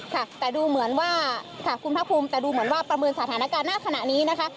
ค่ะคุณท่านคุณภาคคุณแต่ดูเหมือนว่าประเมินสถานการณ์น่าขณะนี้นะคะ